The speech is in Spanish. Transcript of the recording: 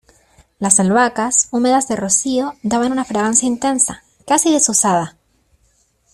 las albahacas, húmedas de rocío , daban una fragancia intensa , casi desusada ,